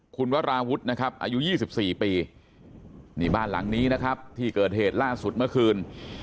คุณวราวุฒินะครับอายุ๒๔ปีนี่บ้านหลังนี้นะครับที่เกิดเหตุล่าสุดเมื่อคืน